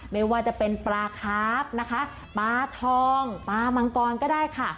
ไม่ว่าจะเป็นปลาคาร์ฟนะคะปลาทองปลามังกรก็ได้ค่ะ